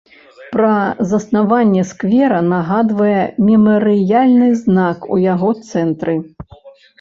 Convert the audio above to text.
Пра заснаванне сквера нагадвае мемарыяльны знак у яго цэнтры.